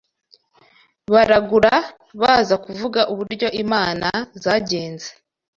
baragura baza kuvuga uburyo imana zagenze